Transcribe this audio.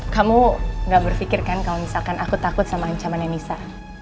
kamu gak berpikir kan kalau misalkan aku takut sama ancamannya nisa